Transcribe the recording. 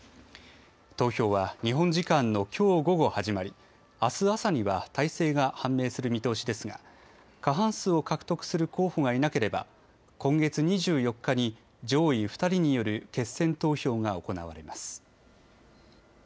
投票は日本時間のきょう午後始まり、あす朝には大勢が判明する見通しですが、過半数を獲得する候補がいなければ、今月２４日に上位２人による決選投票が行われます。